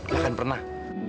gak akan pernah